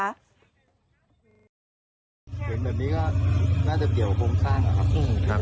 เห็นแบบนี้ก็น่าจะเกี่ยวกับโครงช่าง